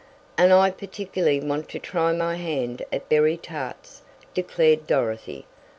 "And I particularly want to try my hand at berry tarts," declared Dorothy.